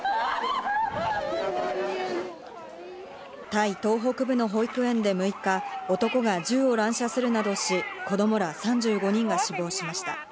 タイ東北部の保育園で６日、男が銃を乱射するなどし、子供ら３５人が死亡しました。